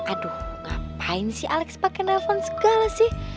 aduh ngapain sih alex pakai nelfon segala sih